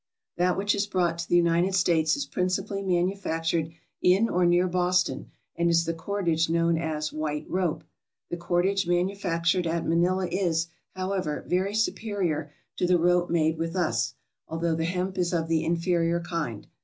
That which is brought to the United States is principally manufactured in or near Boston, and is the cordage known as " white rope." The cordage manufactured at Manila is, however, very superior to the rope made with us, although the hemp is of the inferior kind.